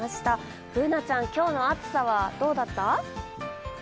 Ｂｏｏｎａちゃん、今日の暑さはどうだった？